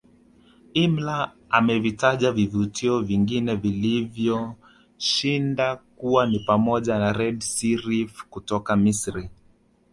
Imler amevitaja vivutio vingine vilivyo shinda kuwa ni pamoja Red sea reef kutoka Misri